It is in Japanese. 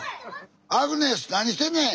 アグネス何してんねん！